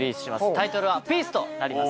タイトルは『ピース』となります。